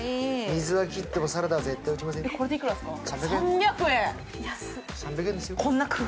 水は切ってもサラダは絶対落ちません。